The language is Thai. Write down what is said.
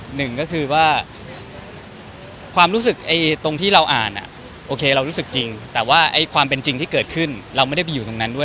หนึ่งก็คือว่าความรู้สึกตรงที่เราอ่านโอเคเรารู้สึกจริงแต่ว่าความเป็นจริงที่เกิดขึ้นเราไม่ได้ไปอยู่ตรงนั้นด้วย